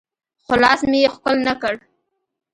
خو لاس مې يې ښکل نه کړ.